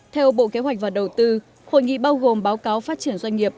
theo bộ kế hoạch và đầu tư hội nghị bao gồm báo cáo phát triển doanh nghiệp